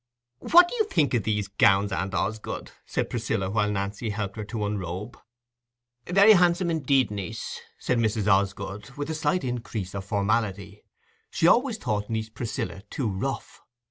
"What do you think o' these gowns, aunt Osgood?" said Priscilla, while Nancy helped her to unrobe. "Very handsome indeed, niece," said Mrs. Osgood, with a slight increase of formality. She always thought niece Priscilla too rough.